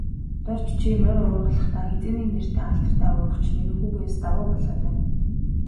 Дорж чи морь уургалахдаа, хэзээний нэртэй алдартай уургач Нэрэнхүүгээс давуу болоод байна.